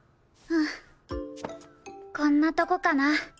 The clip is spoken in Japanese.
フウこんなとこかな。